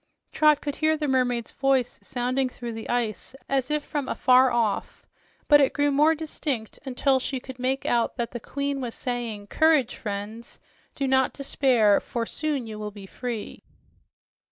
Trot could hear the mermaid's voice sounding through the ice as if from afar off, but it grew more distinct until she could make out that the queen was saying, "Courage, friends! Do not despair, for soon you will be free."